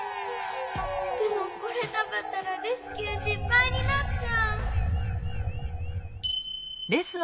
でもこれたべたらレスキューしっぱいになっちゃう！